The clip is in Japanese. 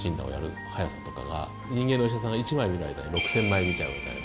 人間のお医者さんが１枚見る間に６，０００枚見ちゃう。